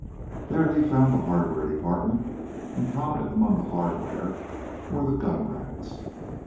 There he found the hardware department, and prominent among the hardware were the gun racks.